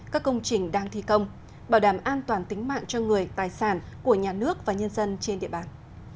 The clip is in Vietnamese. các công trình đang thi công bảo đảm an toàn tính mạng cho người tài sản của nhà nước và nhân dân trên địa bàn